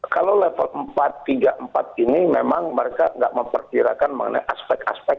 kalau level empat tiga empat ini memang mereka tidak memperkirakan mengenai aspek aspek